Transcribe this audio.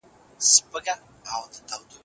ټولي چاري په سمه توګه ترسره سوي دي.